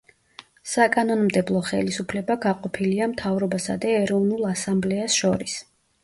საკანონმდებლო ხელისუფლება გაყოფილია მთავრობასა და ეროვნულ ასამბლეას შორის.